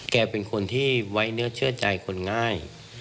แกเป็นคนที่ไว้เนื้อเชื่อใจคนง่าย